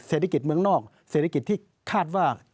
เศรษฐกิจเมืองนอกเศรษฐกิจที่คาดว่า